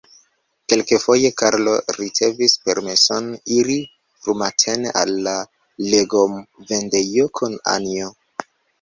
Kelkafoje Karlo ricevis permeson iri frumatene al la legomvendejo kun Anjo.